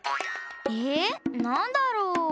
えっなんだろう？